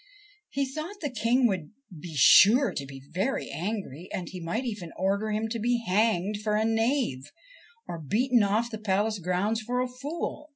He thought the King would be sure to be veiy angry, and he might even order him to be hanged for a knave, or beaten off the palace grounds for a fool.